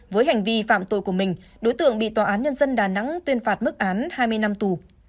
với hành vi phạm tội của mình đối tượng bị tòa án nhân dân đà nẵng tuyên phạt mức án hai mươi năm tù